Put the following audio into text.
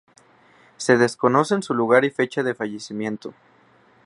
Se desconocen su lugar y fecha de fallecimiento.